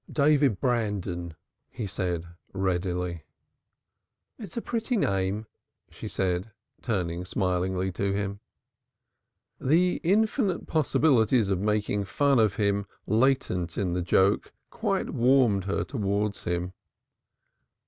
"David Brandon," he said readily. "It's a pretty name," she said, turning smilingly to him. The infinite possibilities of making fun of him latent in the joke quite warmed her towards him.